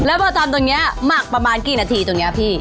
แล้วพอทำตรงนี้หมักประมาณกี่นาทีตรงนี้พี่